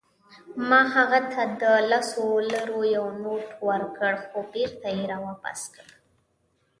ما هغه ته د لسو لیرو یو نوټ ورکړ، خو بیرته يې راواپس کړ.